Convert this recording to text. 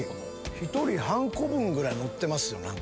１人半個分ぐらいのってますよ。